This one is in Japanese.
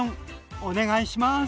お願いします。